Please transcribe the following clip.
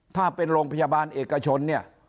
ถ้าเป็นโรงพยาบาลเอกชนเนี่ย